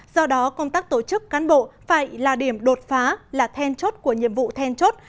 do đó công tác tổ chức cán bộ phải là điểm đột phá là then chốt của nhiệm vụ then chốt